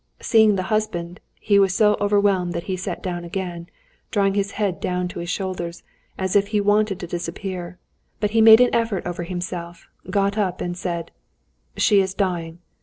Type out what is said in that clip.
Seeing the husband, he was so overwhelmed that he sat down again, drawing his head down to his shoulders, as if he wanted to disappear; but he made an effort over himself, got up and said: "She is dying.